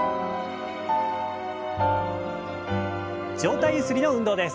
上体ゆすりの運動です。